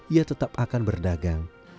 ia tetap akan berdagang